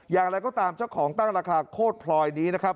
อย่างไรก็ตามเจ้าของตั้งราคาโคตรพลอยนี้นะครับ